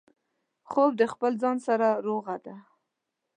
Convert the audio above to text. خوب د خپل ځان سره روغه ده